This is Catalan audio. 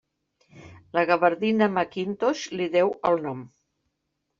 La gavardina Macintosh li deu el nom.